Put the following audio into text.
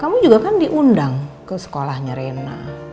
kamu juga kan diundang ke sekolahnya rena